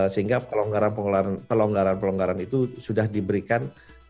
sehingga pelonggaran pelonggaran itu sudah diberikan